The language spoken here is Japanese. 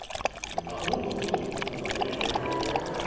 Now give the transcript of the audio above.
どんどん細くなっていく。